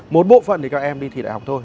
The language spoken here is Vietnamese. một bộ phận thì các em đi thì đại học thôi